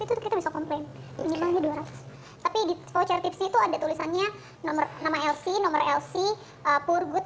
itu kita bisa komplain ini banyak dua ratus tapi di pocet itu ada tulisannya nomor nomor lc nomor lc purgut